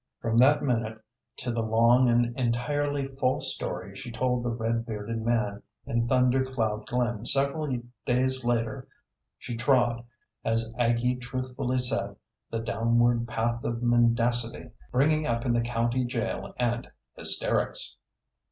From that minute, to the long and entirely false story she told the red bearded man in Thunder Cloud Glen several days later, she trod, as Aggie truthfully said, the downward path of mendacity, bringing up in the county jail and hysterics.